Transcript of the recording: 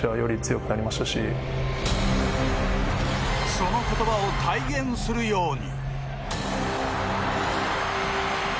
その言葉を体現するように。